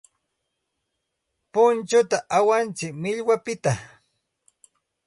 Punchuta awantsik millwapiqta.